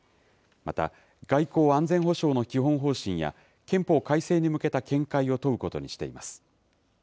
また、外交・安全保障の基本方針や、憲法改正に向けた見解を問うことにしています。